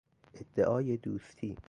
ادعای دوستی